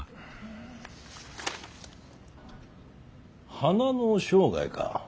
「花の生涯」か。